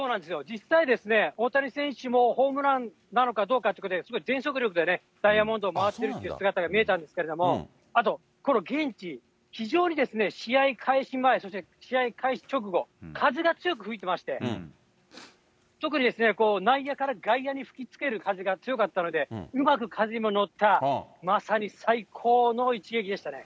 実際、大谷選手も、ホームランなのかどうかってことで、すごい全速力でダイヤモンドを回ってるという姿、見えたんですけれども、あと、この現地、非常に試合開始前、そして試合開始直後、風が強く吹いてまして、特に内野から外野に吹きつける風が強かったので、うまく風にも乗った、まさに最高の一撃でしたね。